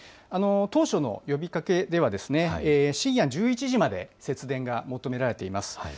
当初の呼びかけでは深夜１１時まで節電が求められています。